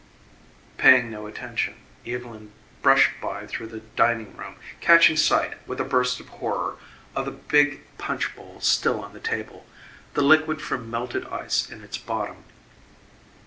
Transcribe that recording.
Paying no attention, Evylyn brushed by through the dining room, catching sight, with a burst of horror, of the big punch bowl still on the table, the liquid from melted ice in its bottom.